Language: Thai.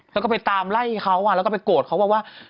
แล้วก็ไปตามไล่เขาแล้วก็ไปโกรธเขาว่า